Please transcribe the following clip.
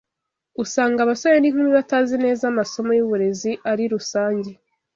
usanga abasore n’inkumi batazi neza amasomo y’uburezi ari rusange